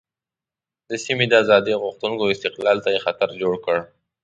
د سیمې د آزادۍ غوښتونکو استقلال ته یې خطر جوړ کړ.